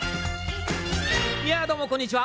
どうもこんにちは。